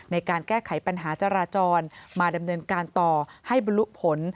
ในการแก้ไขปัญหาจราจรมาดำเนินการต่อให้บรรลุผล